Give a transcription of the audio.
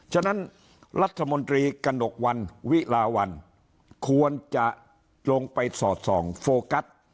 ฉะนั้นรัฐมนตรีกระหนกวันวิลาวันควรจะลงไปสอดส่องโฟกัส